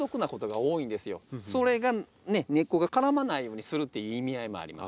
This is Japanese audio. それが根っこが絡まないようにするっていう意味合いもあります。